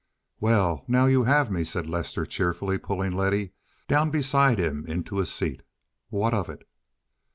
"Well, now you have me," said Lester, cheerfully pulling Letty down beside him into a seat, "what of it?"